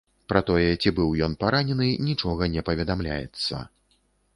Пра тое, ці быў ён паранены, нічога не паведамляецца.